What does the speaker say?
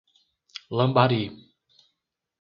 Lambari